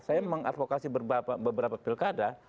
saya mengadvokasi beberapa pilkada